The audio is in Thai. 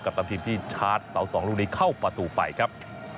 ตามทีมที่ชาร์จเสา๒ลูกนี้เข้าประตูไปครับ